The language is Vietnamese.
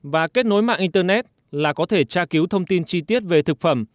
và kết nối mạng internet là có thể tra cứu thông tin chi tiết về thực phẩm